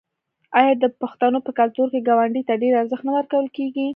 آیا د پښتنو په کلتور کې ګاونډي ته ډیر ارزښت نه ورکول کیږي؟